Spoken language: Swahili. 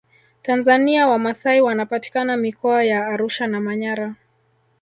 tanzania wamasai wanapatikana mikoa ya arusha na manyara